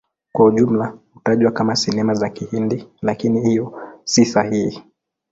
Kwa ujumla hutajwa kama Sinema za Kihindi, lakini hiyo si sahihi.